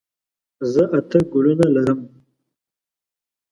زه اته ګلونه لرم.